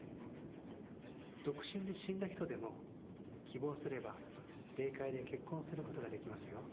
独身で死んだ人でも、希望すれば霊界で結婚することができますよ。